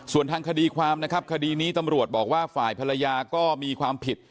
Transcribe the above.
ส่วนทางคดีความนะครับคดีนี้ตำรวจบอกว่าฝ่ายภรรยาก็มีความผิด